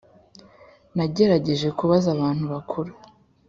Nagerageje kubaza abantu bakuru